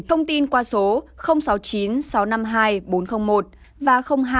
thông tin qua số sáu mươi chín sáu trăm năm mươi hai bốn trăm linh một và hai nghìn tám trăm sáu mươi sáu tám trăm hai mươi hai